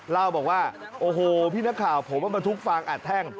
เล่าบอกว่าโอ้โหพี่นักข่าวผมเอามาทุกฟางอัดแท่ง